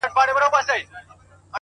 هره پرېکړه یوه نوې لاره جوړوي،